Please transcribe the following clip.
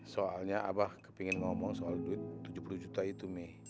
soalnya abah kepingin ngomong soal duit tujuh puluh juta itu nih